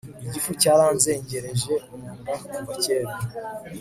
igifu cyaranzengereje munda kuva kera